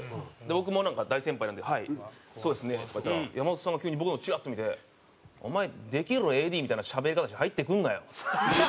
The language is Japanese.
僕も大先輩なんで「はいそうですね」とか言ったら山里さんが急に僕の方チラッと見て「お前できるＡＤみたいなしゃべり方して入ってくんなよ」。